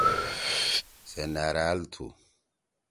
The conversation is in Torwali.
سے نأرأل تُھو۔